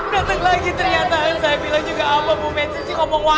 dateng lagi ternyata saya bilang juga apa mau mensisi ngomong wa